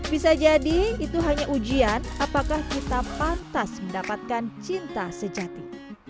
bisa jadi itu hanya ujian apakah kita pantas mendapatkan cinta sejati